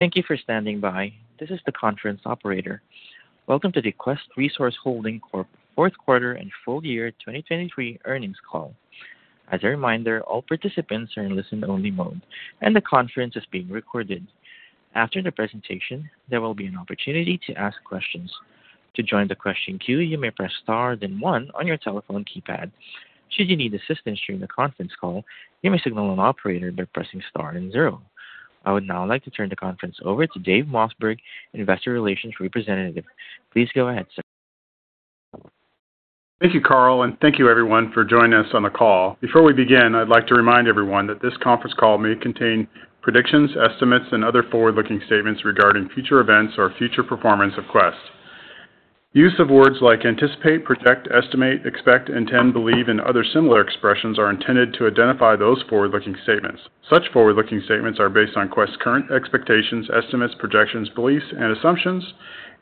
Thank you for standing by. This is the conference operator. Welcome to the Quest Resource Holding Corp fourth quarter and full year 2023 earnings call. As a reminder, all participants are in listen-only mode, and the conference is being recorded. After the presentation, there will be an opportunity to ask questions. To join the question queue, you may press star then one on your telephone keypad. Should you need assistance during the conference call, you may signal an operator by pressing star and zero. I would now like to turn the conference over to Dave Mossberg, Investor Relations Representative. Please go ahead. Thank you, Carl, and thank you, everyone, for joining us on the call. Before we begin, I'd like to remind everyone that this conference call may contain predictions, estimates, and other forward-looking statements regarding future events or future performance of Quest. Use of words like anticipate, project, estimate, expect, intend, believe, and other similar expressions are intended to identify those forward-looking statements. Such forward-looking statements are based on Quest's current expectations, estimates, projections, beliefs, and assumptions,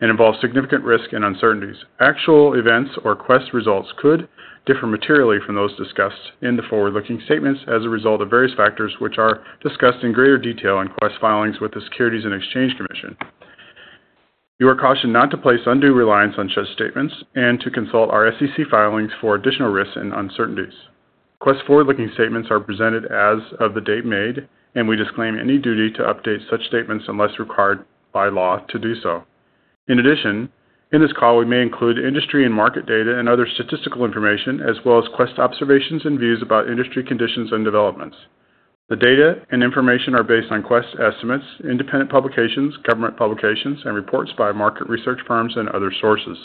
and involve significant risk and uncertainties. Actual events or Quest results could differ materially from those discussed in the forward-looking statements as a result of various factors which are discussed in greater detail in Quest filings with the Securities and Exchange Commission. You are cautioned not to place undue reliance on such statements and to consult our SEC filings for additional risks and uncertainties Quest's forward-looking statements are presented as of the date made, and we disclaim any duty to update such statements unless required by law to do so. In addition, in this call we may include industry and market data and other statistical information, as well as Quest observations and views about industry conditions and developments. The data and information are based on Quest estimates, independent publications, government publications, and reports by market research firms and other sources.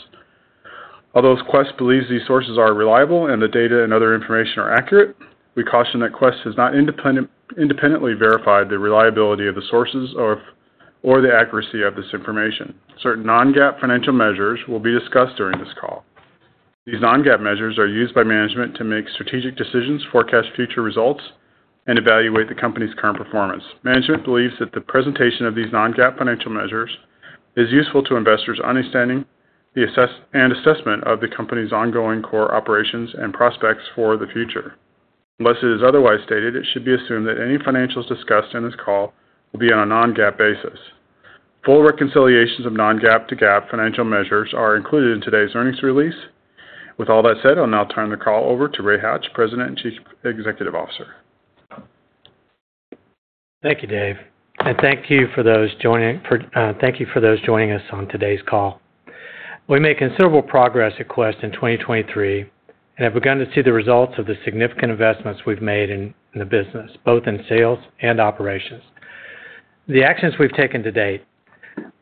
Although Quest believes these sources are reliable and the data and other information are accurate, we caution that Quest has not independently verified the reliability of the sources or the accuracy of this information. Certain non-GAAP financial measures will be discussed during this call. These non-GAAP measures are used by management to make strategic decisions, forecast future results, and evaluate the company's current performance. Management believes that the presentation of these non-GAAP financial measures is useful to investors' understanding and assessment of the company's ongoing core operations and prospects for the future. Unless it is otherwise stated, it should be assumed that any financials discussed in this call will be on a non-GAAP basis. Full reconciliations of non-GAAP to GAAP financial measures are included in today's earnings release. With all that said, I'll now turn the call over to Ray Hatch, President and Chief Executive Officer. Thank you, Dave. And thank you for those joining us on today's call. We made considerable progress at Quest in 2023 and have begun to see the results of the significant investments we've made in the business, both in sales and operations. The actions we've taken to date: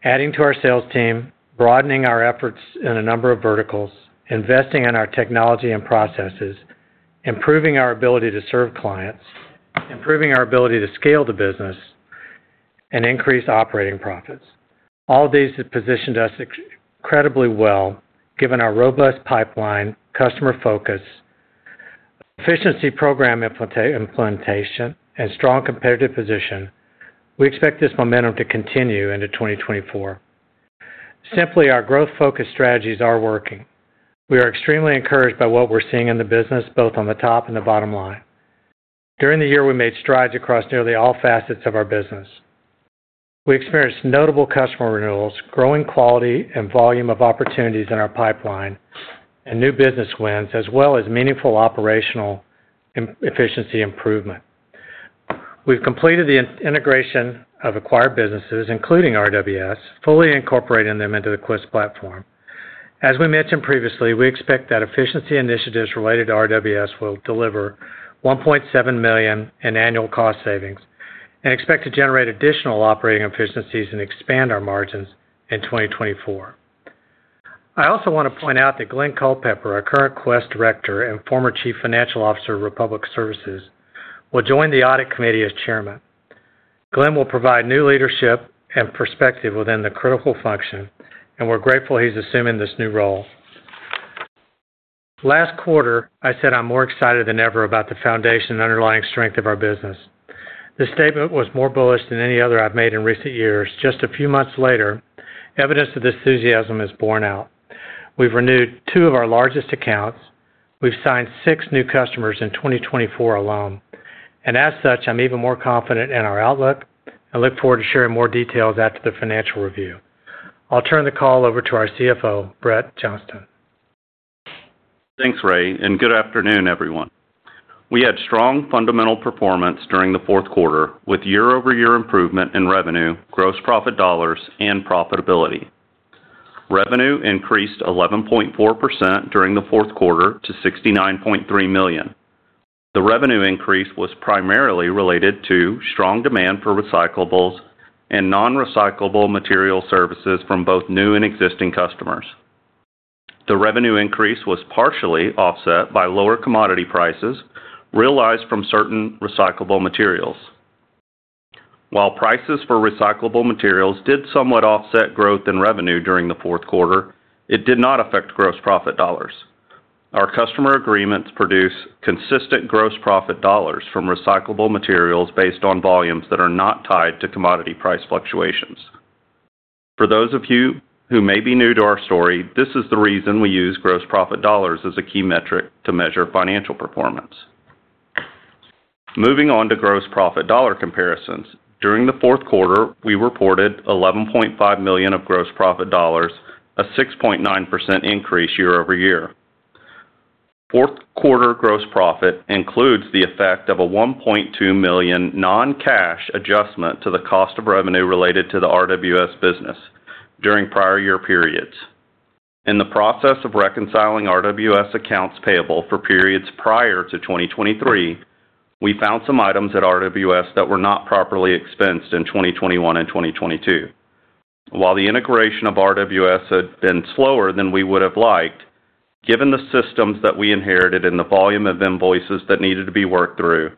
adding to our sales team, broadening our efforts in a number of verticals, investing in our technology and processes, improving our ability to serve clients, improving our ability to scale the business, and increase operating profits. All of these have positioned us incredibly well given our robust pipeline, customer focus, efficiency program implementation, and strong competitive position. We expect this momentum to continue into 2024. Simply, our growth-focused strategies are working. We are extremely encouraged by what we're seeing in the business, both on the top and the bottom line. During the year, we made strides across nearly all facets of our business. We experienced notable customer renewals, growing quality and volume of opportunities in our pipeline, and new business wins, as well as meaningful operational efficiency improvement. We've completed the integration of acquired businesses, including RWS, fully incorporating them into the Quest platform. As we mentioned previously, we expect that efficiency initiatives related to RWS will deliver $1.7 million in annual cost savings and expect to generate additional operating efficiencies and expand our margins in 2024. I also want to point out that Glenn Culpepper, our current Quest Director and former Chief Financial Officer of Republic Services, will join the audit committee as chairman. Glenn will provide new leadership and perspective within the critical function, and we're grateful he's assuming this new role. Last quarter, I said I'm more excited than ever about the foundation and underlying strength of our business. This statement was more bullish than any other I've made in recent years. Just a few months later, evidence of this enthusiasm has borne out. We've renewed 2 of our largest accounts. We've signed 6 new customers in 2024 alone. And as such, I'm even more confident in our outlook and look forward to sharing more details after the financial review. I'll turn the call over to our CFO, Brett Johnston. Thanks, Ray. Good afternoon, everyone. We had strong fundamental performance during the fourth quarter with year-over-year improvement in revenue, gross profit dollars, and profitability. Revenue increased 11.4% during the fourth quarter to $69.3 million. The revenue increase was primarily related to strong demand for recyclables and non-recyclable material services from both new and existing customers. The revenue increase was partially offset by lower commodity prices realized from certain recyclable materials. While prices for recyclable materials did somewhat offset growth in revenue during the fourth quarter, it did not affect gross profit dollars. Our customer agreements produce consistent gross profit dollars from recyclable materials based on volumes that are not tied to commodity price fluctuations. For those of you who may be new to our story, this is the reason we use gross profit dollars as a key metric to measure financial performance. Moving on to gross profit dollar comparisons, during the fourth quarter, we reported $11.5 million of gross profit dollars, a 6.9% increase year-over-year. Fourth quarter gross profit includes the effect of a $1.2 million non-cash adjustment to the cost of revenue related to the RWS business during prior year periods. In the process of reconciling RWS accounts payable for periods prior to 2023, we found some items at RWS that were not properly expensed in 2021 and 2022. While the integration of RWS had been slower than we would have liked, given the systems that we inherited and the volume of invoices that needed to be worked through,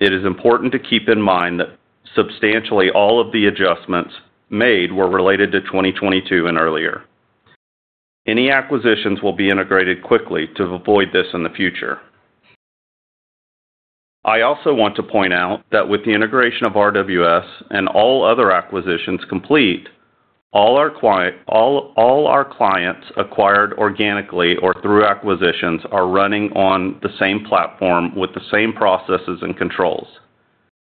it is important to keep in mind that substantially all of the adjustments made were related to 2022 and earlier. Any acquisitions will be integrated quickly to avoid this in the future. I also want to point out that with the integration of RWS and all other acquisitions complete, all our clients acquired organically or through acquisitions are running on the same platform with the same processes and controls.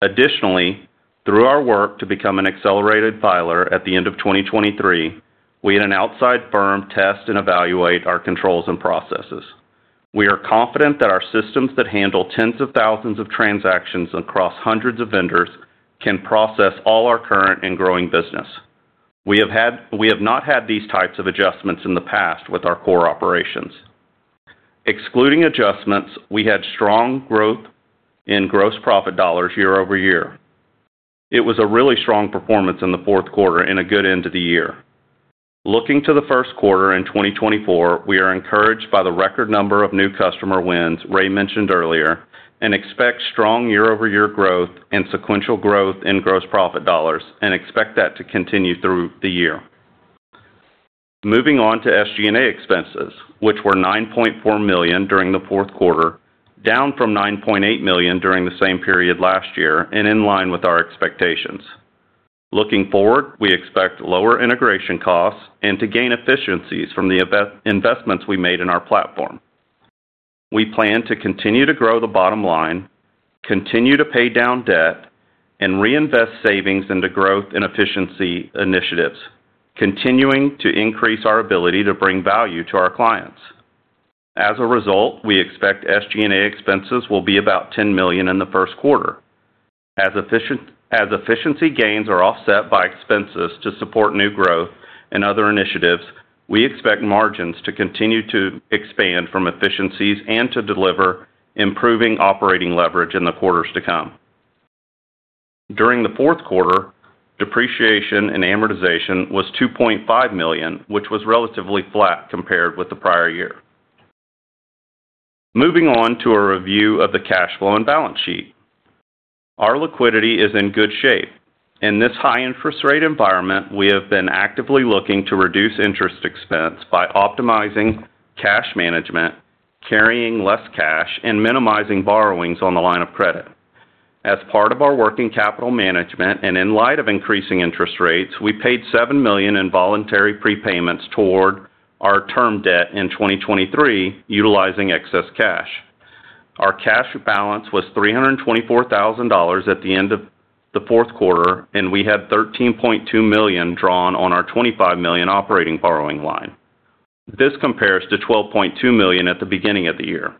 Additionally, through our work to become an accelerated filer at the end of 2023, we had an outside firm test and evaluate our controls and processes. We are confident that our systems that handle tens of thousands of transactions across hundreds of vendors can process all our current and growing business. We have not had these types of adjustments in the past with our core operations. Excluding adjustments, we had strong growth in gross profit dollars year-over-year. It was a really strong performance in the fourth quarter and a good end to the year. Looking to the first quarter in 2024, we are encouraged by the record number of new customer wins Ray mentioned earlier and expect strong year-over-year growth and sequential growth in gross profit dollars and expect that to continue through the year. Moving on to SG&A expenses, which were $9.4 million during the fourth quarter, down from $9.8 million during the same period last year and in line with our expectations. Looking forward, we expect lower integration costs and to gain efficiencies from the investments we made in our platform. We plan to continue to grow the bottom line, continue to pay down debt, and reinvest savings into growth and efficiency initiatives, continuing to increase our ability to bring value to our clients. As a result, we expect SG&A expenses will be about $10 million in the first quarter. As efficiency gains are offset by expenses to support new growth and other initiatives, we expect margins to continue to expand from efficiencies and to deliver improving operating leverage in the quarters to come. During the fourth quarter, depreciation and amortization was $2.5 million, which was relatively flat compared with the prior year. Moving on to a review of the cash flow and balance sheet. Our liquidity is in good shape. In this high interest rate environment, we have been actively looking to reduce interest expense by optimizing cash management, carrying less cash, and minimizing borrowings on the line of credit. As part of our working capital management and in light of increasing interest rates, we paid $7 million in voluntary prepayments toward our term debt in 2023 utilizing excess cash. Our cash balance was $324,000 at the end of the fourth quarter, and we had $13.2 million drawn on our $25 million operating borrowing line. This compares to $12.2 million at the beginning of the year.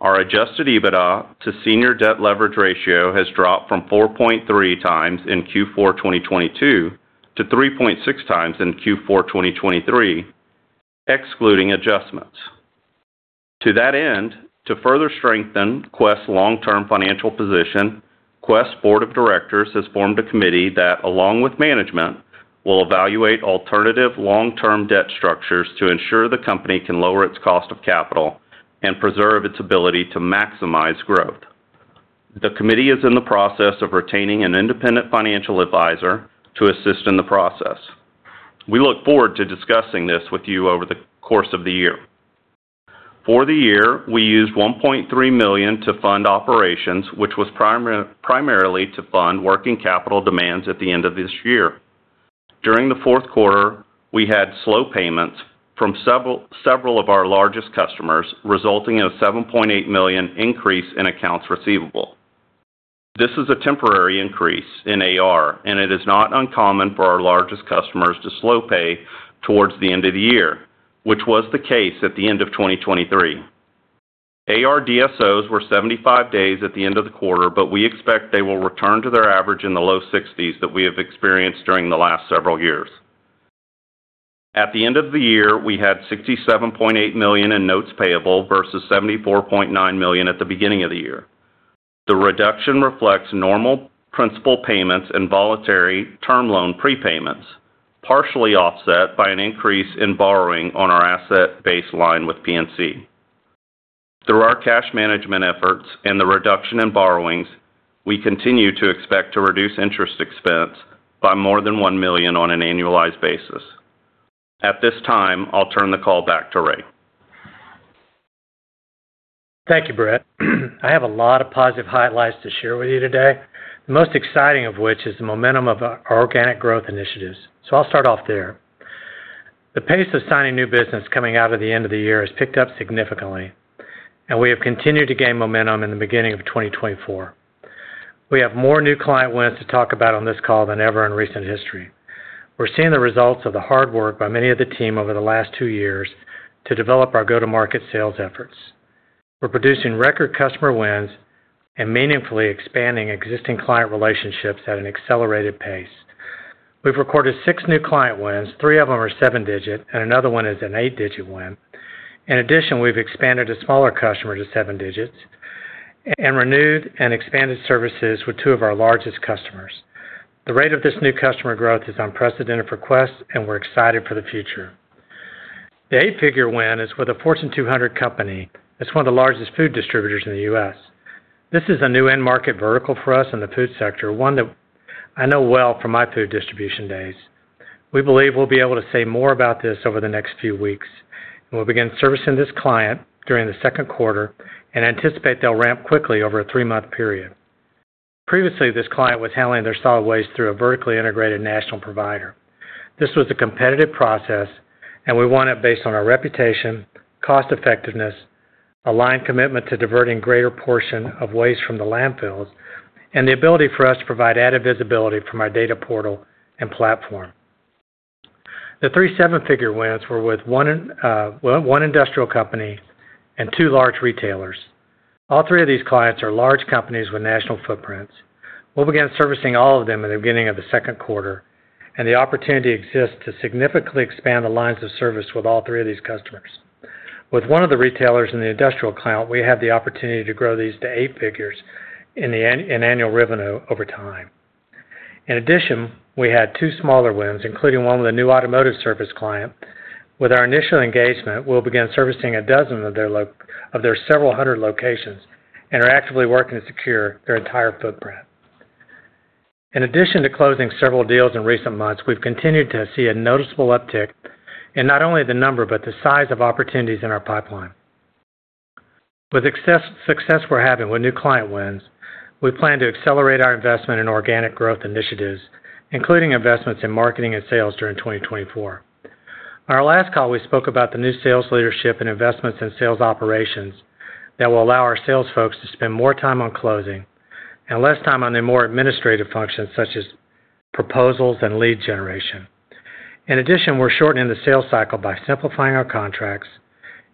Our Adjusted EBITDA to senior debt leverage ratio has dropped from 4.3 times in Q4 2022 to 3.6 times in Q4 2023, excluding adjustments. To that end, to further strengthen Quest's long-term financial position, Quest's board of directors has formed a committee that, along with management, will evaluate alternative long-term debt structures to ensure the company can lower its cost of capital and preserve its ability to maximize growth. The committee is in the process of retaining an independent financial advisor to assist in the process. We look forward to discussing this with you over the course of the year. For the year, we used $1.3 million to fund operations, which was primarily to fund working capital demands at the end of this year. During the fourth quarter, we had slow payments from several of our largest customers, resulting in a $7.8 million increase in accounts receivable. This is a temporary increase in AR, and it is not uncommon for our largest customers to slow pay towards the end of the year, which was the case at the end of 2023. AR DSOs were 75 days at the end of the quarter, but we expect they will return to their average in the low 60s that we have experienced during the last several years. At the end of the year, we had $67.8 million in notes payable versus $74.9 million at the beginning of the year. The reduction reflects normal principal payments and voluntary term loan prepayments, partially offset by an increase in borrowing on our asset-based line with PNC. Through our cash management efforts and the reduction in borrowings, we continue to expect to reduce interest expense by more than $1 million on an annualized basis. At this time, I'll turn the call back to Ray. Thank you, Brett. I have a lot of positive highlights to share with you today, the most exciting of which is the momentum of our organic growth initiatives. I'll start off there. The pace of signing new business coming out of the end of the year has picked up significantly, and we have continued to gain momentum in the beginning of 2024. We have more new client wins to talk about on this call than ever in recent history. We're seeing the results of the hard work by many of the team over the last 2 years to develop our go-to-market sales efforts. We're producing record customer wins and meaningfully expanding existing client relationships at an accelerated pace. We've recorded 6 new client wins, 3 of them are 7-digit, and another one is an 8-digit win. In addition, we've expanded a smaller customer to seven digits and renewed and expanded services with two of our largest customers. The rate of this new customer growth is unprecedented for Quest, and we're excited for the future. The eight-figure win is with a Fortune 200 company that's one of the largest food distributors in the U.S. This is a new end-market vertical for us in the food sector, one that I know well from my food distribution days. We believe we'll be able to say more about this over the next few weeks. We'll begin servicing this client during the second quarter and anticipate they'll ramp quickly over a three-month period. Previously, this client was handling their solid waste through a vertically integrated national provider. This was a competitive process, and we won it based on our reputation, cost-effectiveness, aligned commitment to diverting a greater portion of waste from the landfills, and the ability for us to provide added visibility from our data portal and platform. The three seven-figure wins were with one industrial company and two large retailers. All three of these clients are large companies with national footprints. We'll begin servicing all of them at the beginning of the second quarter, and the opportunity exists to significantly expand the lines of service with all three of these customers. With one of the retailers in the industrial client, we have the opportunity to grow these to eight figures in annual revenue over time. In addition, we had two smaller wins, including one with a new automotive service client. With our initial engagement, we'll begin servicing a dozen of their several hundred locations and are actively working to secure their entire footprint. In addition to closing several deals in recent months, we've continued to see a noticeable uptick in not only the number but the size of opportunities in our pipeline. With the success we're having with new client wins, we plan to accelerate our investment in organic growth initiatives, including investments in marketing and sales during 2024. On our last call, we spoke about the new sales leadership and investments in sales operations that will allow our sales folks to spend more time on closing and less time on their more administrative functions such as proposals and lead generation. In addition, we're shortening the sales cycle by simplifying our contracts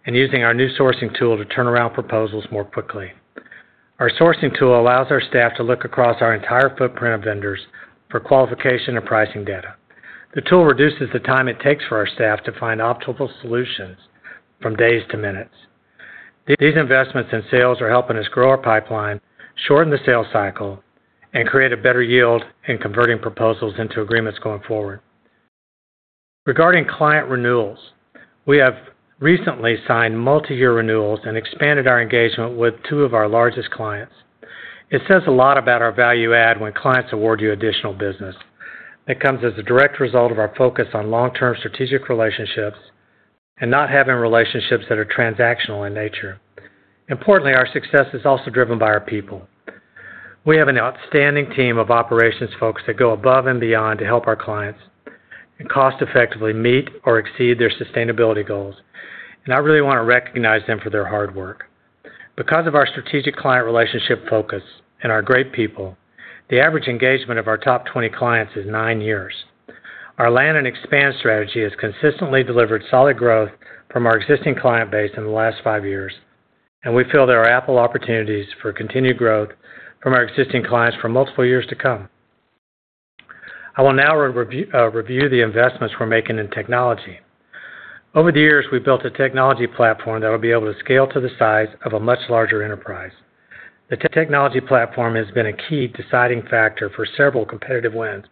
and using our new sourcing tool to turn around proposals more quickly. Our sourcing tool allows our staff to look across our entire footprint of vendors for qualification and pricing data. The tool reduces the time it takes for our staff to find optimal solutions from days to minutes. These investments in sales are helping us grow our pipeline, shorten the sales cycle, and create a better yield in converting proposals into agreements going forward. Regarding client renewals, we have recently signed multi-year renewals and expanded our engagement with two of our largest clients. It says a lot about our value add when clients award you additional business. It comes as a direct result of our focus on long-term strategic relationships and not having relationships that are transactional in nature. Importantly, our success is also driven by our people. We have an outstanding team of operations folks that go above and beyond to help our clients cost-effectively meet or exceed their sustainability goals, and I really want to recognize them for their hard work. Because of our strategic client relationship focus and our great people, the average engagement of our top 20 clients is nine years. Our Land and Expand strategy has consistently delivered solid growth from our existing client base in the last five years, and we feel there are ample opportunities for continued growth from our existing clients for multiple years to come. I will now review the investments we're making in technology. Over the years, we've built a technology platform that will be able to scale to the size of a much larger enterprise. The technology platform has been a key deciding factor for several competitive wins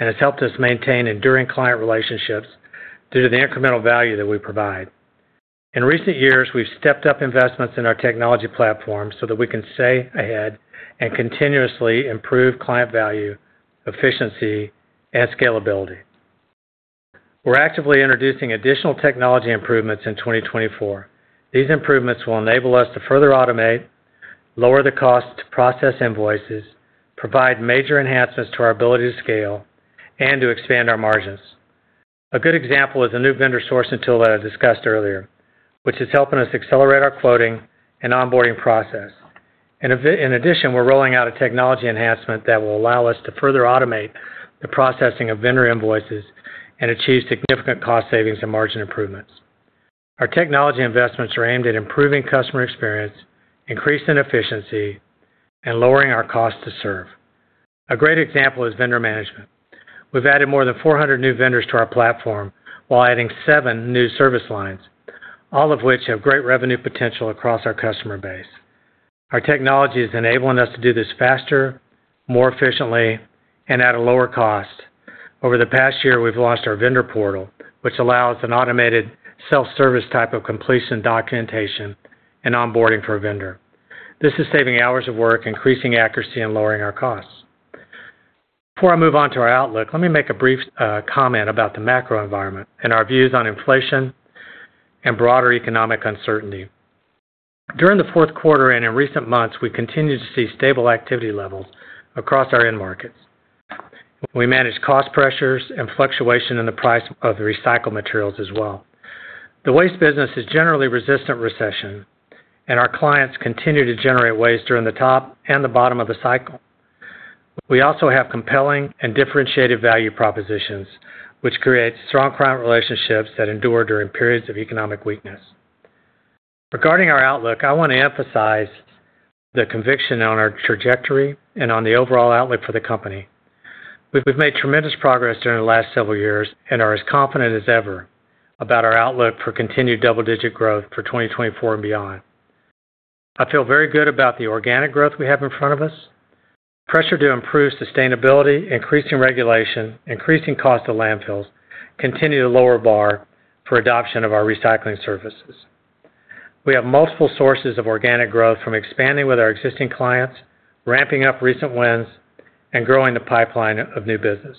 and has helped us maintain enduring client relationships due to the incremental value that we provide. In recent years, we've stepped up investments in our technology platform so that we can stay ahead and continuously improve client value, efficiency, and scalability. We're actively introducing additional technology improvements in 2024. These improvements will enable us to further automate, lower the cost to process invoices, provide major enhancements to our ability to scale, and to expand our margins. A good example is the new vendor sourcing tool that I discussed earlier, which is helping us accelerate our quoting and onboarding process. In addition, we're rolling out a technology enhancement that will allow us to further automate the processing of vendor invoices and achieve significant cost savings and margin improvements. Our technology investments are aimed at improving customer experience, increasing efficiency, and lowering our cost to serve. A great example is vendor management. We've added more than 400 new vendors to our platform while adding 7 new service lines, all of which have great revenue potential across our customer base. Our technology is enabling us to do this faster, more efficiently, and at a lower cost. Over the past year, we've launched our vendor portal, which allows an automated self-service type of completion documentation and onboarding for a vendor. This is saving hours of work, increasing accuracy, and lowering our costs. Before I move on to our outlook, let me make a brief comment about the macro environment and our views on inflation and broader economic uncertainty. During the fourth quarter and in recent months, we continue to see stable activity levels across our end markets. We manage cost pressures and fluctuation in the price of the recycled materials as well. The waste business is generally resistant to recession, and our clients continue to generate waste during the top and the bottom of the cycle. We also have compelling and differentiated value propositions, which create strong client relationships that endure during periods of economic weakness. Regarding our outlook, I want to emphasize the conviction on our trajectory and on the overall outlook for the company. We've made tremendous progress during the last several years and are as confident as ever about our outlook for continued double-digit growth for 2024 and beyond. I feel very good about the organic growth we have in front of us. Pressure to improve sustainability, increasing regulation, increasing cost of landfills continue to lower the bar for adoption of our recycling services. We have multiple sources of organic growth from expanding with our existing clients, ramping up recent wins, and growing the pipeline of new business.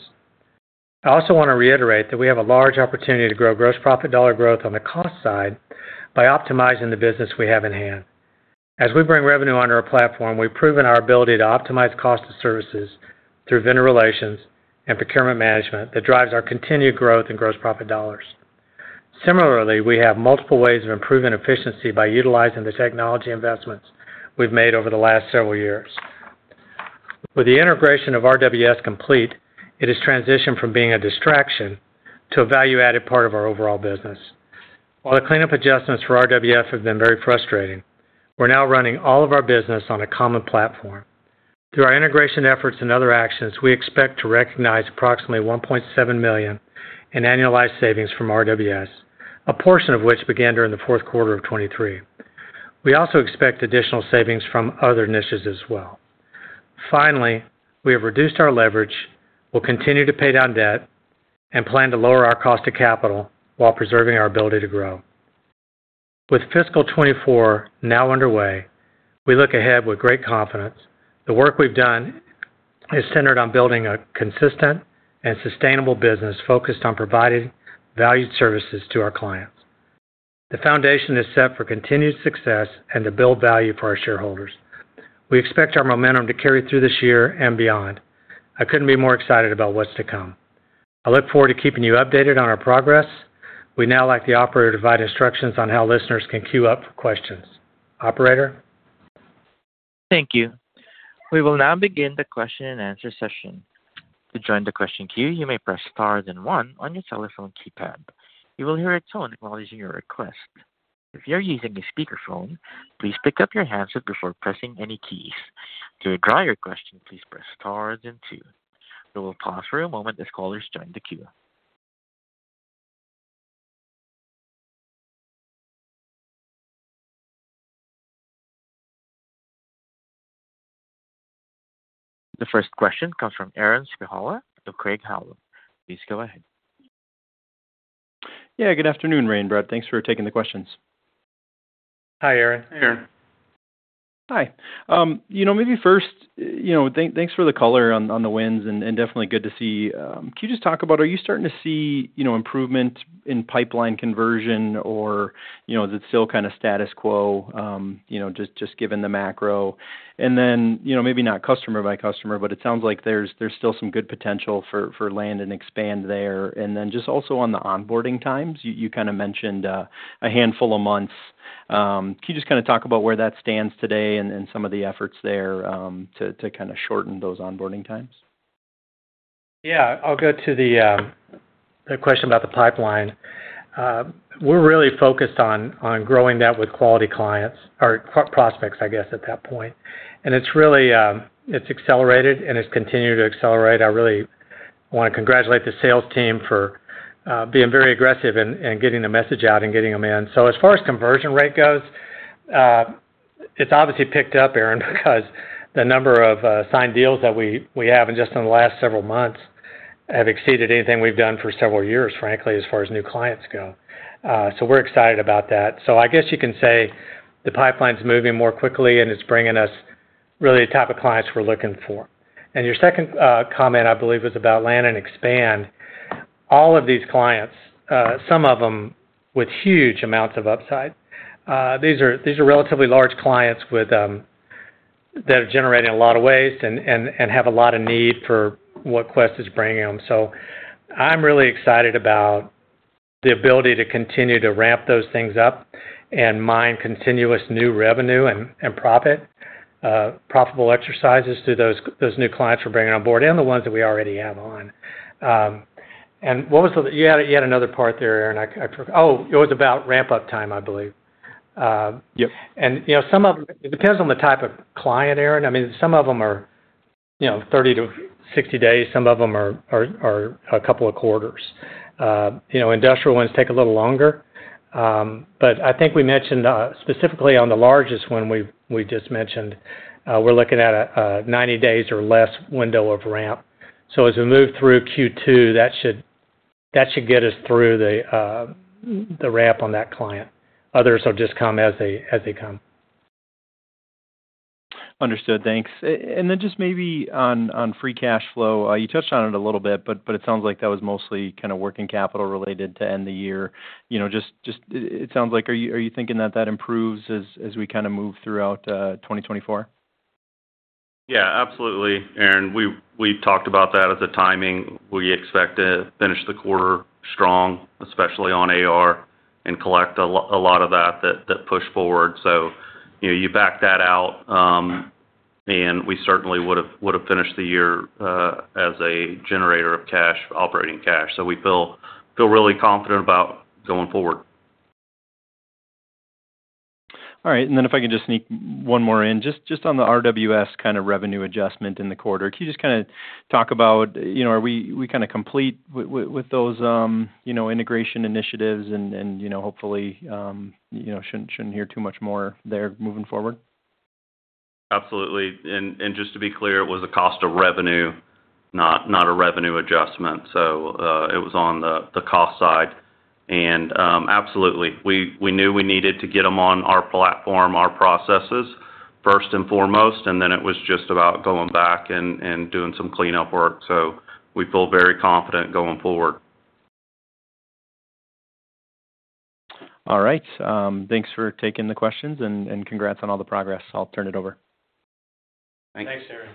I also want to reiterate that we have a large opportunity to grow gross profit dollar growth on the cost side by optimizing the business we have in hand. As we bring revenue under our platform, we've proven our ability to optimize cost of services through vendor relations and procurement management that drives our continued growth in gross profit dollars. Similarly, we have multiple ways of improving efficiency by utilizing the technology investments we've made over the last several years. With the integration of RWS complete, it has transitioned from being a distraction to a value-added part of our overall business. While the cleanup adjustments for RWS have been very frustrating, we're now running all of our business on a common platform. Through our integration efforts and other actions, we expect to recognize approximately $1.7 million in annualized savings from RWS, a portion of which began during the fourth quarter of 2023. We also expect additional savings from other niches as well. Finally, we have reduced our leverage, will continue to pay down debt, and plan to lower our cost of capital while preserving our ability to grow. With fiscal 2024 now underway, we look ahead with great confidence. The work we've done is centered on building a consistent and sustainable business focused on providing valued services to our clients. The foundation is set for continued success and to build value for our shareholders. We expect our momentum to carry through this year and beyond. I couldn't be more excited about what's to come. I look forward to keeping you updated on our progress. We now like the operator to provide instructions on how listeners can queue up for questions. Operator? Thank you. We will now begin the question-and-answer session. To join the question queue, you may press star, then one on your telephone keypad. You will hear a tone acknowledging your request. If you're using a speakerphone, please pick up your handset before pressing any keys. To address your question, please press star, then two. We will pause for a moment as callers join the queue. The first question comes from Aaron Spychalla of Craig-Hallum. Please go ahead. Yeah. Good afternoon, Ray, Brett. Thanks for taking the questions. Hi, Aaron. Hey, Aaron. Hi. Maybe first, thanks for the color on the wins and definitely good to see. Can you just talk about, are you starting to see improvement in pipeline conversion or is it still kind of status quo just given the macro? And then maybe not customer by customer, but it sounds like there's still some good potential for land and expand there. And then just also on the onboarding times, you kind of mentioned a handful of months. Can you just kind of talk about where that stands today and some of the efforts there to kind of shorten those onboarding times? Yeah. I'll go to the question about the pipeline. We're really focused on growing that with quality clients or prospects, I guess, at that point. It's accelerated and it's continued to accelerate. I really want to congratulate the sales team for being very aggressive in getting the message out and getting them in. So as far as conversion rate goes, it's obviously picked up, Aaron, because the number of signed deals that we have in just in the last several months have exceeded anything we've done for several years, frankly, as far as new clients go. So we're excited about that. So I guess you can say the pipeline's moving more quickly and it's bringing us really the type of clients we're looking for. Your second comment, I believe, was about land and expand. All of these clients, some of them with huge amounts of upside. These are relatively large clients that are generating a lot of waste and have a lot of need for what Quest is bringing them. So I'm really excited about the ability to continue to ramp those things up and mine continuous new revenue and profit, profitable exercises through those new clients we're bringing onboard and the ones that we already have on. And what was the? You had another part there, Aaron. Oh, it was about ramp-up time, I believe. And some of them, it depends on the type of client, Aaron. I mean, some of them are 30-60 days. Some of them are a couple of quarters. Industrial ones take a little longer. But I think we mentioned specifically on the largest one we just mentioned, we're looking at a 90 days or less window of ramp. As we move through Q2, that should get us through the ramp on that client. Others will just come as they come. Understood. Thanks. And then, just maybe on free cash flow, you touched on it a little bit, but it sounds like that was mostly kind of working capital related to end the year. Just, it sounds like, are you thinking that that improves as we kind of move throughout 2024? Yeah, absolutely, Aaron. We talked about that at the timing. We expect to finish the quarter strong, especially on AR, and collect a lot of that push forward. So you back that out, and we certainly would have finished the year as a generator of cash, operating cash. So we feel really confident about going forward. All right. And then if I can just sneak one more in, just on the RWS kind of revenue adjustment in the quarter, can you just kind of talk about are we kind of complete with those integration initiatives and hopefully shouldn't hear too much more there moving forward? Absolutely. And just to be clear, it was a cost of revenue, not a revenue adjustment. So it was on the cost side. And absolutely, we knew we needed to get them on our platform, our processes, first and foremost. And then it was just about going back and doing some cleanup work. So we feel very confident going forward. All right. Thanks for taking the questions and congrats on all the progress. I'll turn it over. Thanks. Thanks, Aaron.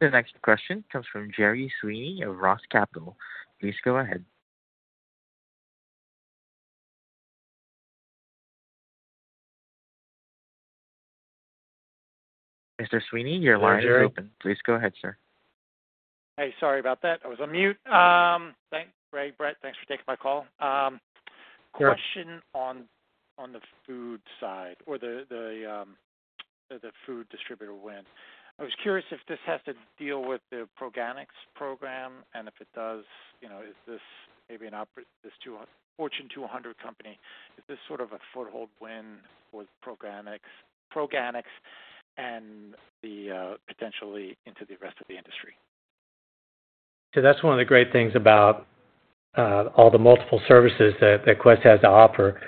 The next question comes from Gerry Sweeney of Roth Capital. Please go ahead. Mr. Sweeney, your line is open. Please go ahead, sir. Hey, sorry about that. I was on mute. Great, Brett. Thanks for taking my call. Question on the food side or the food distributor win. I was curious if this has to deal with the Proganics program, and if it does, is this maybe a Fortune 200 company, is this sort of a foothold win for Proganics and potentially into the rest of the industry? So that's one of the great things about all the multiple services that Quest has to offer.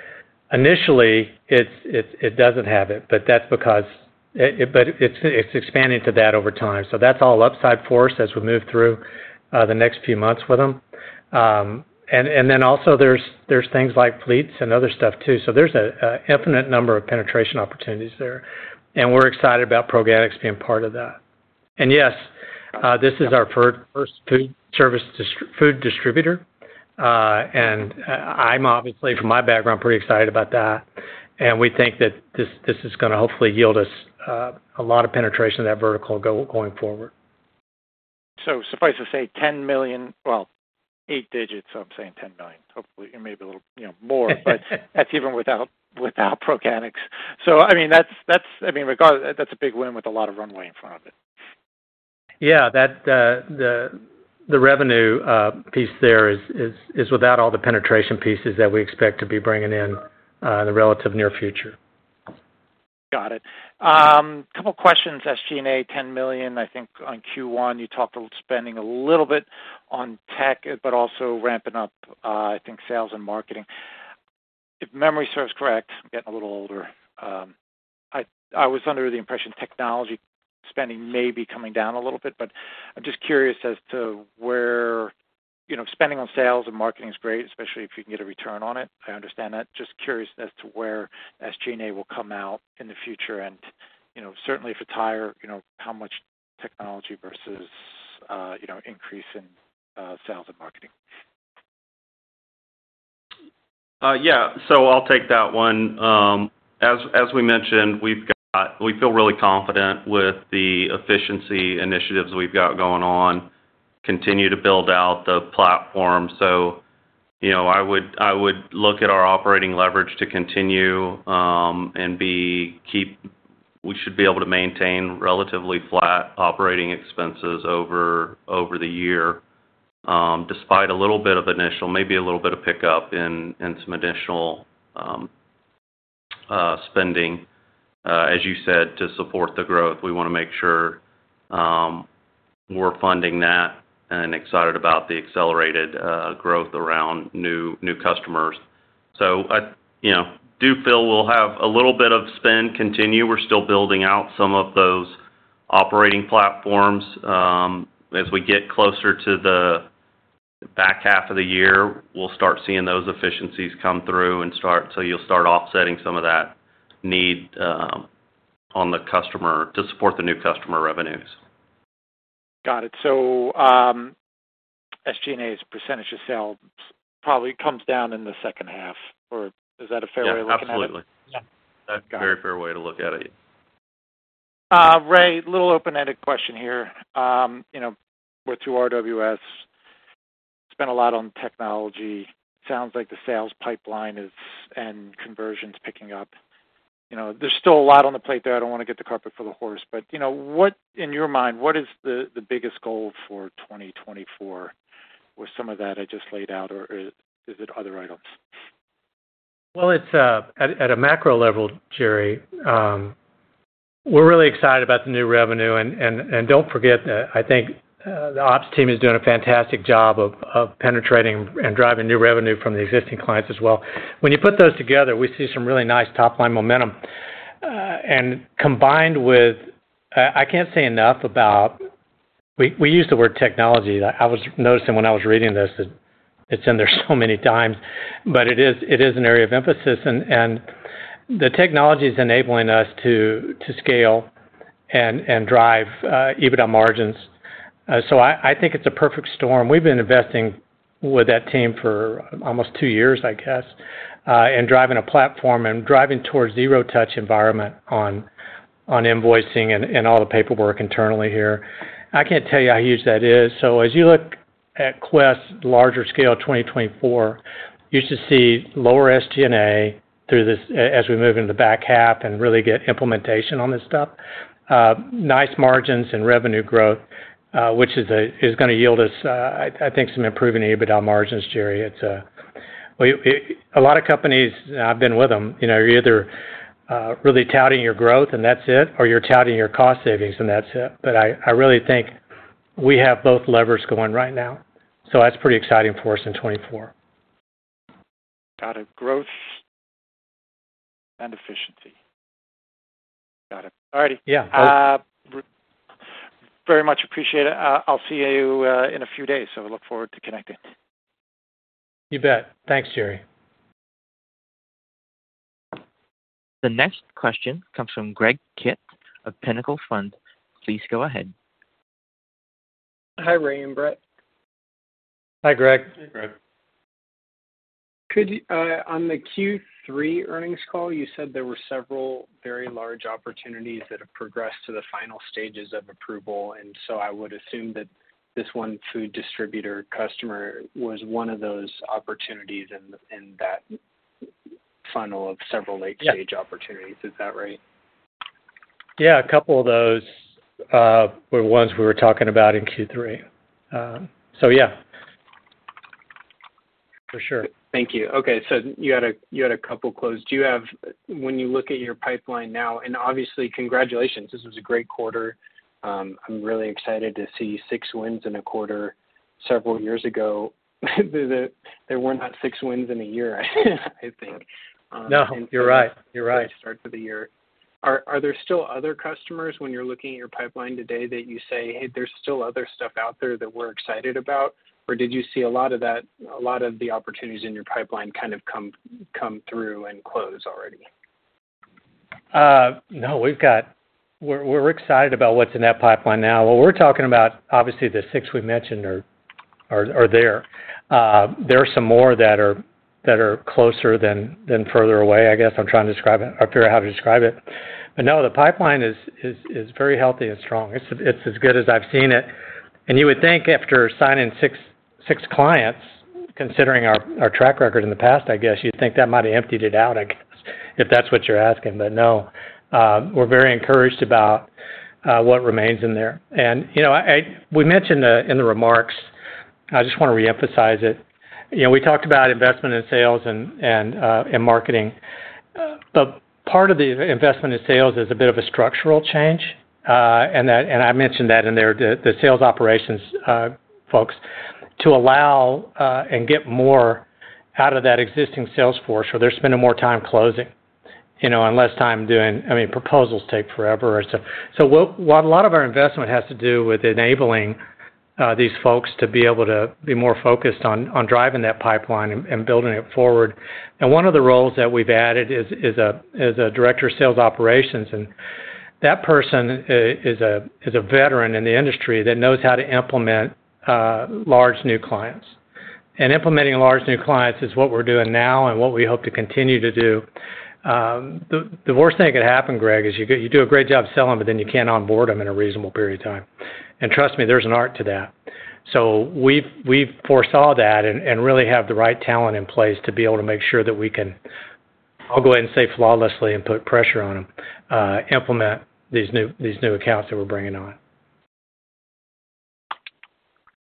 Initially, it doesn't have it, but that's because it's expanding to that over time. So that's all upside force as we move through the next few months with them. And then also there's things like fleets and other stuff too. So there's an infinite number of penetration opportunities there. And we're excited about Proganics being part of that. And yes, this is our first food service food distributor. And I'm obviously, from my background, pretty excited about that. And we think that this is going to hopefully yield us a lot of penetration of that vertical going forward. So suffice to say $10 million well, eight digits, so I'm saying $10 million. Hopefully, it may be a little more, but that's even without Proganics. So I mean, that's a big win with a lot of runway in front of it. Yeah. The revenue piece there is without all the penetration pieces that we expect to be bringing in in the relative near future. Got it. A couple of questions: SG&A, $10 million, I think, on Q1. You talked about spending a little bit on tech, but also ramping up, I think, sales and marketing. If memory serves correct, I'm getting a little older. I was under the impression technology spending may be coming down a little bit, but I'm just curious as to where spending on sales and marketing is great, especially if you can get a return on it. I understand that. Just curious as to where SG&A will come out in the future. And certainly, if it's higher, how much technology versus increase in sales and marketing? Yeah. So I'll take that one. As we mentioned, we feel really confident with the efficiency initiatives we've got going on, continue to build out the platform. So I would look at our operating leverage to continue, and we should be able to maintain relatively flat operating expenses over the year despite a little bit of initial, maybe a little bit of pickup in some additional spending. As you said, to support the growth, we want to make sure we're funding that and excited about the accelerated growth around new customers. So I do feel we'll have a little bit of spend continue. We're still building out some of those operating platforms. As we get closer to the back half of the year, we'll start seeing those efficiencies come through and you'll start offsetting some of that need on the customer to support the new customer revenues. Got it. So SG&A's percentage of sale probably comes down in the second half, or is that a fair way of looking at it? Yeah, absolutely. That's a very fair way to look at it. Ray, little open-ended question here. We're through RWS. Spent a lot on technology. Sounds like the sales pipeline and conversion's picking up. There's still a lot on the plate there. I don't want to get the cart before the horse. But in your mind, what is the biggest goal for 2024 with some of that I just laid out, or is it other items? Well, at a macro level, Gerry, we're really excited about the new revenue. Don't forget that I think the ops team is doing a fantastic job of penetrating and driving new revenue from the existing clients as well. When you put those together, we see some really nice top-line momentum. Combined with, I can't say enough about, we use the word technology. I was noticing when I was reading this that it's in there so many times, but it is an area of emphasis. The technology is enabling us to scale and drive even on margins. So I think it's a perfect storm. We've been investing with that team for almost two years, I guess, in driving a platform and driving towards zero-touch environment on invoicing and all the paperwork internally here. I can't tell you how huge that is. So as you look at Quest's larger-scale 2024, you should see lower SG&A as we move into the back half and really get implementation on this stuff, nice margins and revenue growth, which is going to yield us, I think, some improving EBITDA margins, Gerry. A lot of companies, I've been with them, you're either really touting your growth and that's it, or you're touting your cost savings and that's it. But I really think we have both levers going right now. So that's pretty exciting for us in 2024. Got it. Growth and efficiency. Got it. All righty. Very much appreciate it. I'll see you in a few days, so look forward to connecting. You bet. Thanks, Gerry. The next question comes from Greg Kitt of Pinnacle Family Office. Please go ahead. Hi, Ray, Brett. Hi, Greg. Hey, Greg. On the Q3 earnings call, you said there were several very large opportunities that have progressed to the final stages of approval. So I would assume that this one food distributor customer was one of those opportunities in that funnel of several late-stage opportunities. Is that right? Yeah, a couple of those were ones we were talking about in Q3. So yeah, for sure. Thank you. Okay. So you had a couple closed. When you look at your pipeline now and obviously, congratulations. This was a great quarter. I'm really excited to see six wins in a quarter. Several years ago, there were not six wins in a year, I think. No, you're right. You're right. At the start of the year. Are there still other customers when you're looking at your pipeline today that you say, "Hey, there's still other stuff out there that we're excited about," or did you see a lot of that a lot of the opportunities in your pipeline kind of come through and close already? No, we're excited about what's in that pipeline now. What we're talking about, obviously, the six we mentioned are there. There are some more that are closer than further away, I guess. I'm trying to describe it or figure out how to describe it. But no, the pipeline is very healthy and strong. It's as good as I've seen it. And you would think after signing six clients, considering our track record in the past, I guess, you'd think that might have emptied it out, I guess, if that's what you're asking. But no, we're very encouraged about what remains in there. And we mentioned in the remarks, I just want to reemphasize it. We talked about investment in sales and marketing. But part of the investment in sales is a bit of a structural change. And I mentioned that in there, the sales operations folks, to allow and get more out of that existing sales force or they're spending more time closing and less time doing—I mean, proposals take forever or so. So while a lot of our investment has to do with enabling these folks to be able to be more focused on driving that pipeline and building it forward, and one of the roles that we've added is a director of sales operations. And that person is a veteran in the industry that knows how to implement large new clients. And implementing large new clients is what we're doing now and what we hope to continue to do. The worst thing that could happen, Greg, is you do a great job selling, but then you can't onboard them in a reasonable period of time. And trust me, there's an art to that. We foresaw that and really have the right talent in place to be able to make sure that we can, I'll go ahead and say, flawlessly and put pressure on them, implement these new accounts that we're bringing on.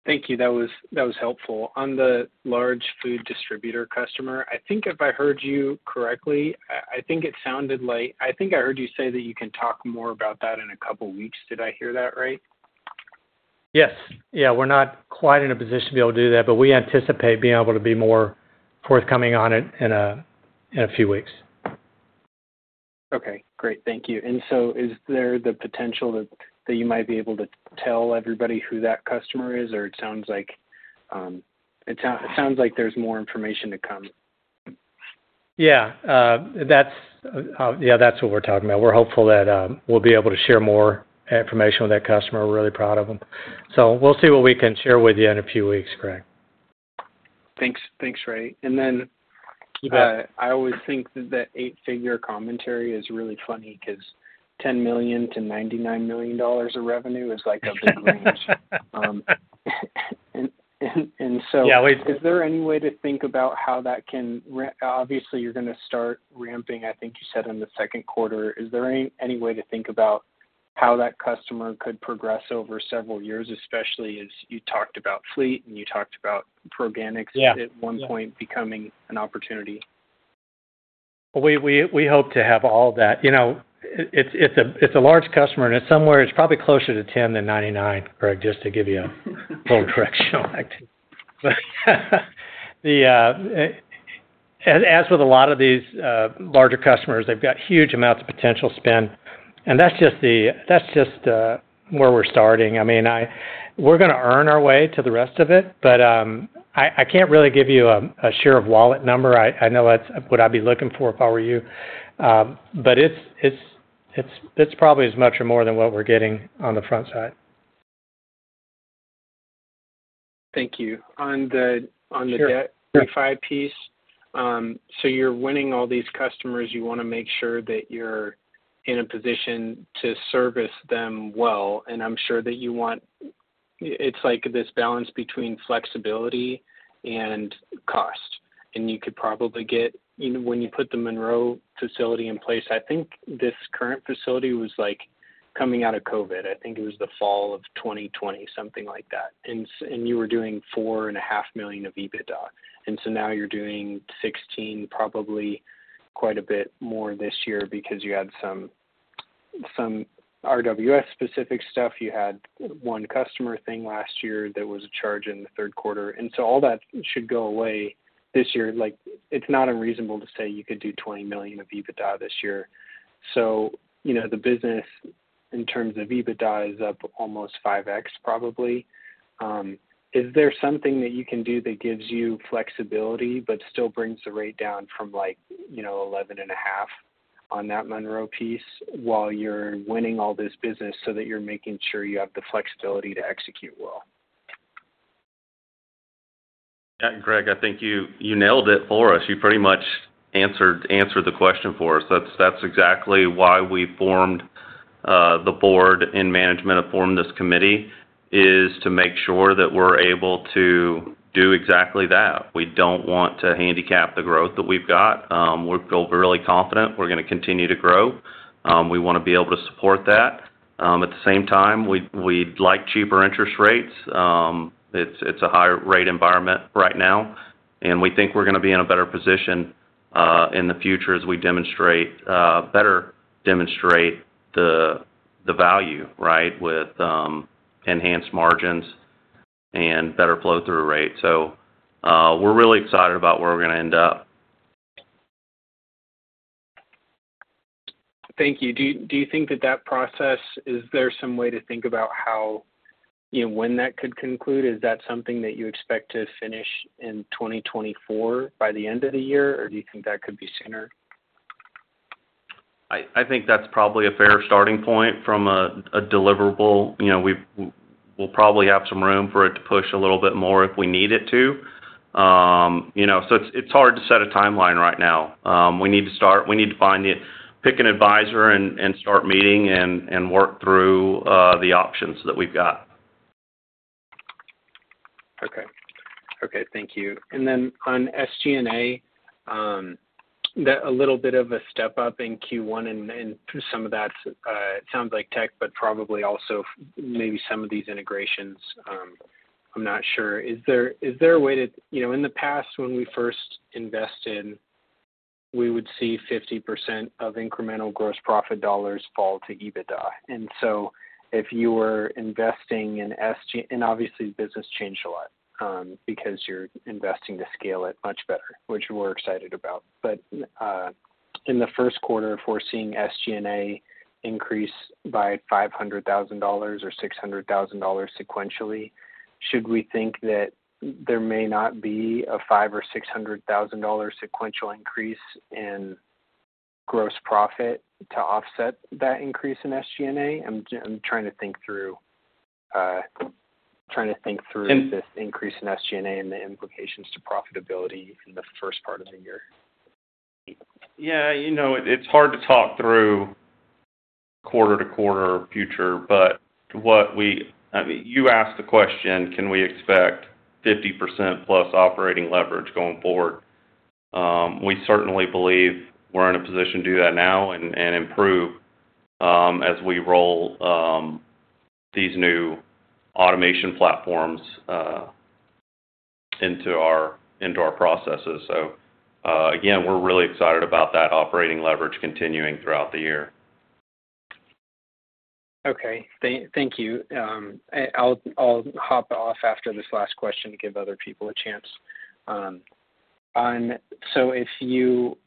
Thank you. That was helpful. On the large food distributor customer, I think if I heard you correctly, I think it sounded like I think I heard you say that you can talk more about that in a couple of weeks. Did I hear that right? Yes. Yeah, we're not quite in a position to be able to do that, but we anticipate being able to be more forthcoming on it in a few weeks. Okay. Great. Thank you. And so is there the potential that you might be able to tell everybody who that customer is, or it sounds like there's more information to come? Yeah. Yeah, that's what we're talking about. We're hopeful that we'll be able to share more information with that customer. We're really proud of them. So we'll see what we can share with you in a few weeks, Greg. Thanks, Ray. And then I always think that that eight-figure commentary is really funny because $10 million-$99 million of revenue is a big range. And so is there any way to think about how that can obviously, you're going to start ramping, I think you said, in the second quarter. Is there any way to think about how that customer could progress over several years, especially as you talked about fleet and you talked about Proganics at one point becoming an opportunity? Well, we hope to have all that. It's a large customer, and it's somewhere it's probably closer to 10 than 99, Greg, just to give you a little directional act. As with a lot of these larger customers, they've got huge amounts of potential spend. That's just where we're starting. I mean, we're going to earn our way to the rest of it, but I can't really give you a share of wallet number. I know that's what I'd be looking for if I were you. It's probably as much or more than what we're getting on the front side. Thank you. On the debt facility piece, so you're winning all these customers. You want to make sure that you're in a position to service them well. And I'm sure that you want it's like this balance between flexibility and cost. And you could probably get when you put the Monroe facility in place, I think this current facility was coming out of COVID. I think it was the fall of 2020, something like that. And you were doing $4.5 million of EBITDA. And so now you're doing $16 million, probably quite a bit more this year because you had some RWS-specific stuff. You had one customer thing last year that was a charge in the third quarter. And so all that should go away this year. It's not unreasonable to say you could do $20 million of EBITDA this year. So the business, in terms of EBITDA, is up almost 5x, probably. Is there something that you can do that gives you flexibility but still brings the rate down from 11.5 on that Monroe piece while you're winning all this business so that you're making sure you have the flexibility to execute well? Yeah, Greg, I think you nailed it for us. You pretty much answered the question for us. That's exactly why we formed the board and management have formed this committee, is to make sure that we're able to do exactly that. We don't want to handicap the growth that we've got. We feel really confident we're going to continue to grow. We want to be able to support that. At the same time, we'd like cheaper interest rates. It's a higher-rate environment right now. And we think we're going to be in a better position in the future as we better demonstrate the value, right, with enhanced margins and better flow-through rate. So we're really excited about where we're going to end up. Thank you. Do you think that that process is there some way to think about when that could conclude? Is that something that you expect to finish in 2024 by the end of the year, or do you think that could be sooner? I think that's probably a fair starting point from a deliverable. We'll probably have some room for it to push a little bit more if we need it to. So it's hard to set a timeline right now. We need to pick an advisor and start meeting and work through the options that we've got. Okay. Okay. Thank you. And then on SG&A, a little bit of a step up in Q1, and some of that sounds like tech, but probably also maybe some of these integrations. I'm not sure. Is there a way to—in the past, when we first invested, we would see 50% of incremental gross profit dollars fall to EBITDA. And so if you were investing in SG and obviously, business changed a lot because you're investing to scale it much better, which we're excited about. But in the first quarter, if we're seeing SG&A increase by $500,000 or $600,000 sequentially, should we think that there may not be a $500,000 or $600,000 sequential increase in gross profit to offset that increase in SG&A? I'm trying to think through this increase in SG&A and the implications to profitability in the first part of the year. Yeah, it's hard to talk through quarter-to-quarter future, but you asked the question, can we expect 50%+ operating leverage going forward? We certainly believe we're in a position to do that now and improve as we roll these new automation platforms into our processes. So again, we're really excited about that operating leverage continuing throughout the year. Okay. Thank you. I'll hop off after this last question to give other people a chance. So if you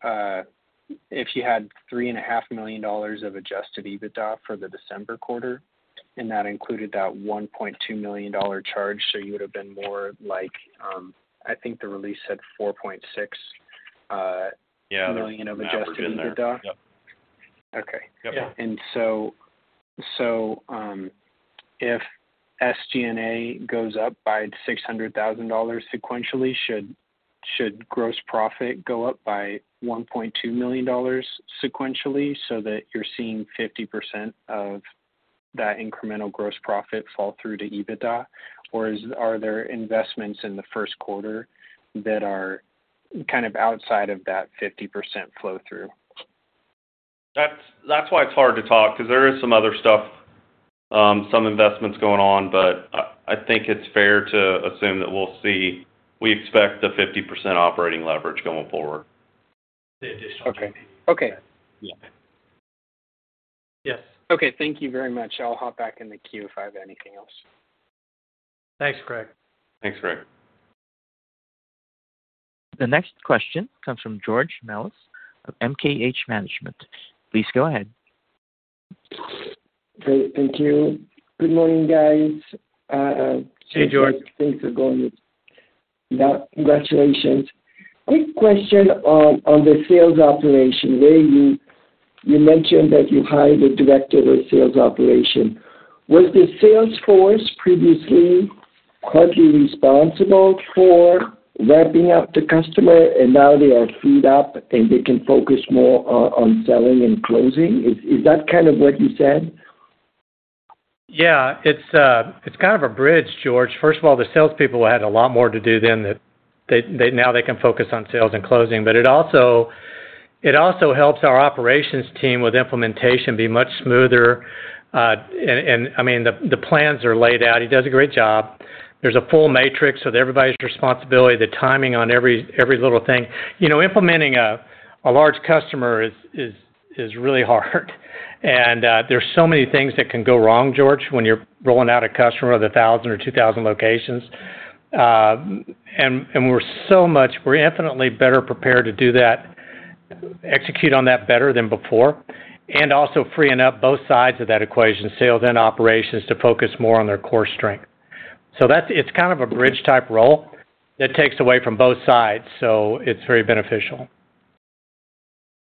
had $3.5 million of Adjusted EBITDA for the December quarter, and that included that $1.2 million charge, so you would have been more like I think the release said $4.6 million of Adjusted EBITDA. Yeah, that would have been there. Yeah. Okay. And so if SG&A goes up by $600,000 sequentially, should gross profit go up by $1.2 million sequentially so that you're seeing 50% of that incremental gross profit fall through to EBITDA? Or are there investments in the first quarter that are kind of outside of that 50% flow-through? That's why it's hard to talk because there is some other stuff, some investments going on, but I think it's fair to assume that we'll see we expect the 50% operating leverage going forward. The additional 50%. Okay. Okay. Yeah. Yes. Okay. Thank you very much. I'll hop back in the queue if I have anything else. Thanks, Greg. Thanks, Greg. The next question comes from George Melas of MKH Management. Please go ahead. Great. Thank you. Good morning, guys. Hey, George. Thanks for going with me. Congratulations. Quick question on the sales operation. You mentioned that you hired a director of sales operation. Was the sales force previously partly responsible for ramping up the customer, and now they are freed up and they can focus more on selling and closing? Is that kind of what you said? Yeah. It's kind of a bridge, George. First of all, the salespeople had a lot more to do than that now they can focus on sales and closing. But it also helps our operations team with implementation be much smoother. And I mean, the plans are laid out. He does a great job. There's a full matrix with everybody's responsibility, the timing on every little thing. Implementing a large customer is really hard. And there's so many things that can go wrong, George, when you're rolling out a customer of 1,000 or 2,000 locations. And we're infinitely better prepared to do that, execute on that better than before, and also freeing up both sides of that equation, sales and operations, to focus more on their core strength. So it's kind of a bridge-type role that takes away from both sides. So it's very beneficial.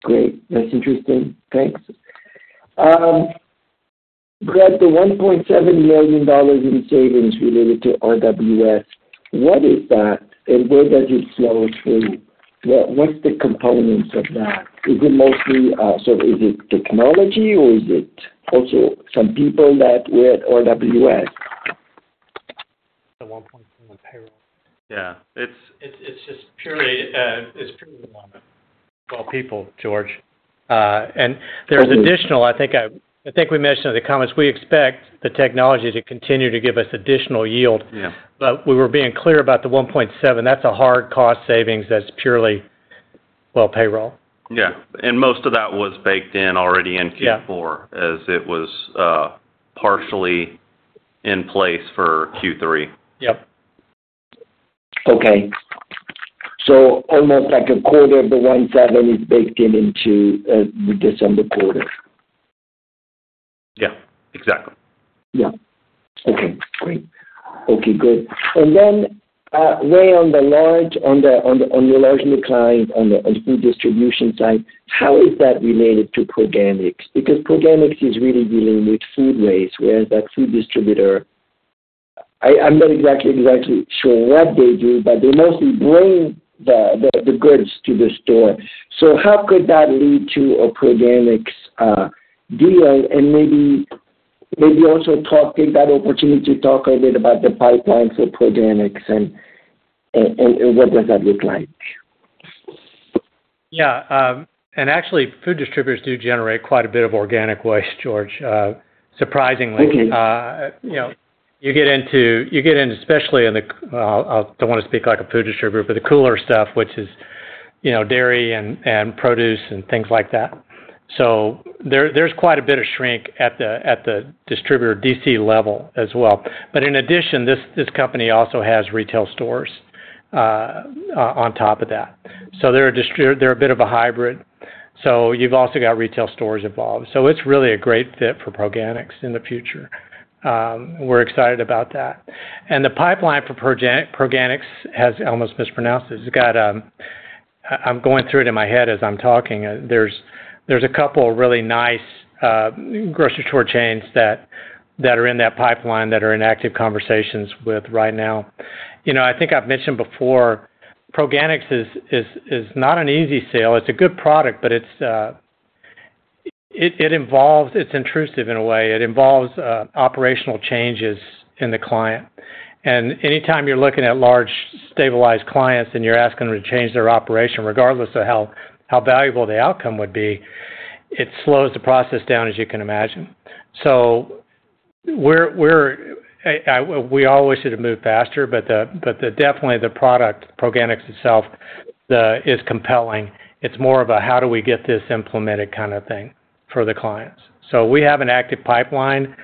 Great. That's interesting. Thanks. Greg, the $1.7 million in savings related to RWS, what is that, and where does it flow through? What's the components of that? Is it mostly sort of technology, or is it also some people that were at RWS? The $1.7 payroll. Yeah. It's just purely a lot of people, George. And there's additional. I think we mentioned in the comments. We expect the technology to continue to give us additional yield. But we were being clear about the $1.7. That's a hard cost savings that's purely, well, payroll. Yeah. And most of that was baked in already in Q4 as it was partially in place for Q3. Yep. Okay. So almost like a quarter of the $1.7 is baked in into the December quarter. Yeah. Exactly. Yeah. Okay. Great. Okay. Good. And then wait on your large new client on the food distribution side, how is that related to Proganics? Because Proganics is really dealing with food waste, whereas that food distributor I'm not exactly sure what they do, but they mostly bring the goods to the store. So how could that lead to a Proganics deal? And maybe also take that opportunity to talk a bit about the pipeline for Proganics, and what does that look like? Yeah. And actually, food distributors do generate quite a bit of organic waste, George, surprisingly. You get into especially in the. I don't want to speak like a food distributor, but the cooler stuff, which is dairy and produce and things like that. So there's quite a bit of shrink at the distributor DC level as well. But in addition, this company also has retail stores on top of that. So they're a bit of a hybrid. So you've also got retail stores involved. So it's really a great fit for Proganics in the future. We're excited about that. And the pipeline for Proganics has almost mispronounced it. I'm going through it in my head as I'm talking. There's a couple of really nice grocery store chains that are in that pipeline that are in active conversations with right now. I think I've mentioned before, Proganics is not an easy sale. It's a good product, but it involves, it's intrusive in a way. It involves operational changes in the client. And anytime you're looking at large, stabilized clients and you're asking them to change their operation, regardless of how valuable the outcome would be, it slows the process down, as you can imagine. So we all wish it had moved faster, but definitely, the product, Proganics itself, is compelling. It's more of a, "How do we get this implemented?" kind of thing for the clients. So we have an active pipeline.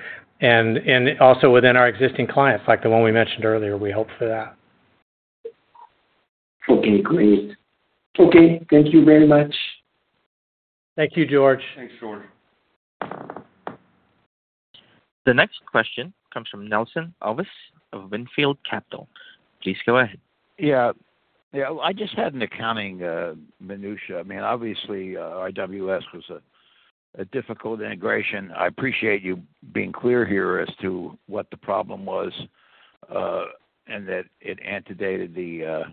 And also within our existing clients, like the one we mentioned earlier, we hope for that. Okay. Great. Okay. Thank you very much. Thank you, George. Thanks, George. The next question comes from Nelson Obus of Wynnefield Capital. Please go ahead. Yeah. Yeah. I just had an accounting minutia. I mean, obviously, RWS was a difficult integration. I appreciate you being clear here as to what the problem was and that it antedated the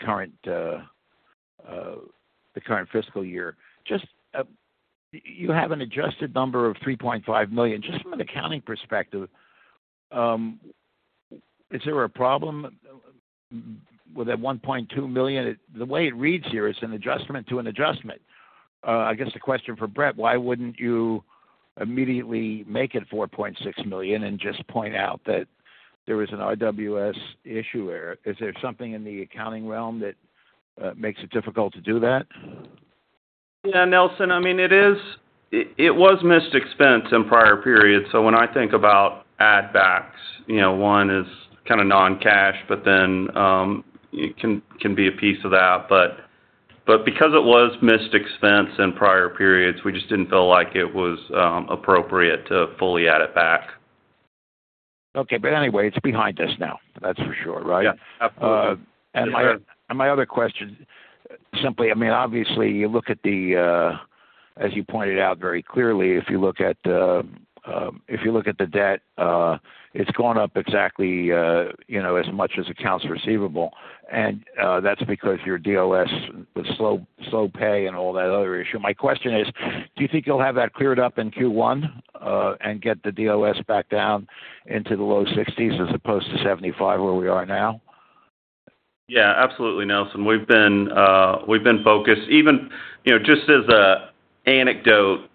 current fiscal year. You have an adjusted number of $3.5 million. Just from an accounting perspective, is there a problem with that $1.2 million? The way it reads here is an adjustment to an adjustment. I guess the question for Brett, why wouldn't you immediately make it $4.6 million and just point out that there was an RWS issue there? Is there something in the accounting realm that makes it difficult to do that? Yeah, Nelson. I mean, it was missed expense in prior periods. So when I think about add-backs, one is kind of non-cash, but then it can be a piece of that. But because it was missed expense in prior periods, we just didn't feel like it was appropriate to fully add it back. Okay. But anyway, it's behind us now, that's for sure, right? Yeah. Absolutely. And my other question, simply I mean, obviously, you look at the as you pointed out very clearly, if you look at the debt, it's gone up exactly as much as accounts receivable. And that's because your DSO with slow pay and all that other issue. My question is, do you think you'll have that cleared up in Q1 and get the DSO back down into the low 60s as opposed to 75 where we are now? Yeah. Absolutely, Nelson. We've been focused even just as an anecdote,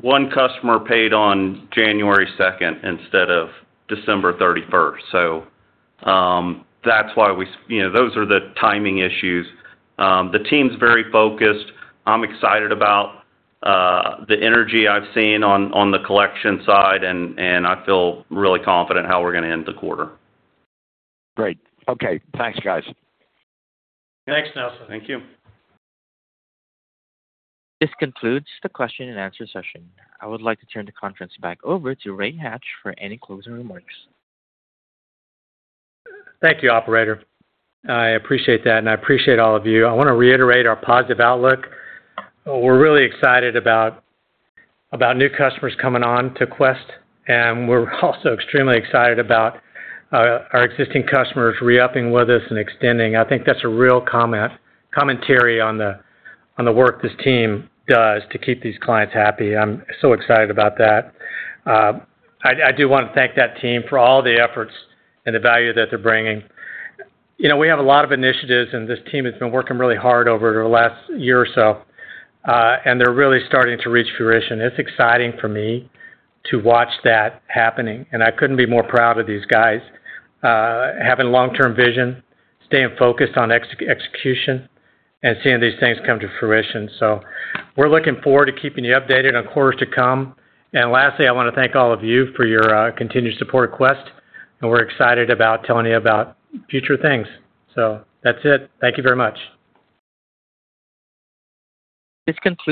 one customer paid on January 2nd instead of December 31st. So that's why we those are the timing issues. The team's very focused. I'm excited about the energy I've seen on the collection side, and I feel really confident how we're going to end the quarter. Great. Okay. Thanks, guys. Thanks, Nelson. Thank you. This concludes the question and answer session. I would like to turn the conference back over to Ray Hatch for any closing remarks. Thank you, operator. I appreciate that, and I appreciate all of you. I want to reiterate our positive outlook. We're really excited about new customers coming on to Quest, and we're also extremely excited about our existing customers re-upping with us and extending. I think that's a real commentary on the work this team does to keep these clients happy. I'm so excited about that. I do want to thank that team for all the efforts and the value that they're bringing. We have a lot of initiatives, and this team has been working really hard over the last year or so, and they're really starting to reach fruition. It's exciting for me to watch that happening, and I couldn't be more proud of these guys having long-term vision, staying focused on execution, and seeing these things come to fruition. We're looking forward to keeping you updated on quarters to come. Lastly, I want to thank all of you for your continued support of Quest, and we're excited about telling you about future things. That's it. Thank you very much. This concludes.